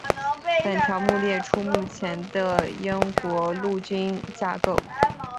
本条目列出目前的英国陆军架构。